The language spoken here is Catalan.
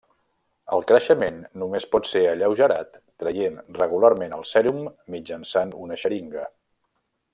El creixement només pot ser alleugerat traient regularment el sèrum mitjançant una xeringa.